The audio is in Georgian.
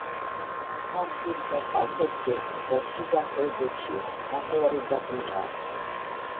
ქარზურგა კალთებზე და შიგა ხეობებში ნახევარუდაბნოა.